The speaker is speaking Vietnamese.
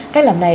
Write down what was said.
cách làm này